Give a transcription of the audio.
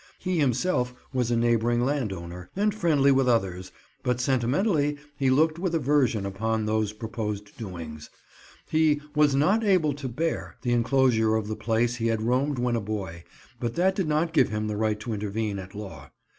He himself was a neighbouring landowner, and friendly with others, but sentimentally, he looked with aversion upon those proposed doings. He "was not able to bear" the enclosure of the place he had roamed when a boy, but that did not give him the right to intervene at law.